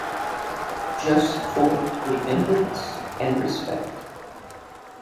Just for remembrance and respect.